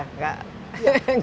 tidak akan ada